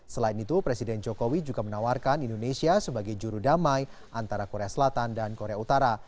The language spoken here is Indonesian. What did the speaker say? selain itu presiden jokowi juga menawarkan indonesia sebagai juru damai antara korea selatan dan korea utara